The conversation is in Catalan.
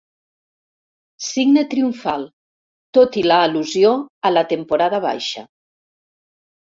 Signe triomfal, tot i l'al·lusió a la temporada baixa.